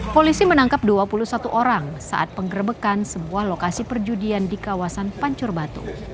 polisi menangkap dua puluh satu orang saat penggerbekan sebuah lokasi perjudian di kawasan pancur batu